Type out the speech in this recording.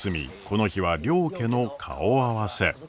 この日は両家の顔合わせ。